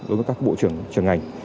đối với các bộ trưởng trường ảnh